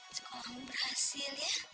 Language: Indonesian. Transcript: sekolahmu berhasil ya